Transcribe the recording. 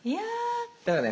だからね